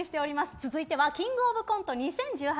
続いては「キングオブコント」２０１８